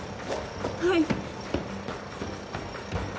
はい。